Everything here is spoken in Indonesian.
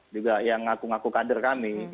juga yang ngaku ngaku kader kami